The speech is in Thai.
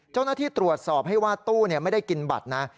เจ้าหน้าที่ตรวจสอบให้ว่าตู้ไม่ได้กินบัตรนะ